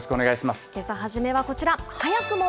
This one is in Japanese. けさ初めはこちら、早くも！